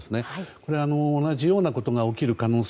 これは同じようなことが起こる可能性